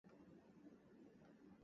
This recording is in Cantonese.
賣錯相思